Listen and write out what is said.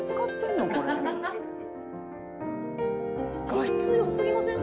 「画質良すぎません？」